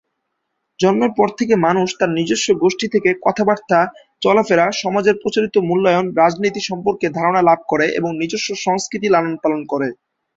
জন্মের পর থেকে মানুষ তার নিজস্ব গোষ্ঠী থেকে কথাবার্তা, চলাফেরা, সমাজের প্রচলিত মূল্যায়ন, রীতিনীতি সম্পর্কে ধারণা লাভ করে এবং নিজস্ব সংস্কৃতি লালন-পালন করে।